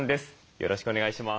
よろしくお願いします。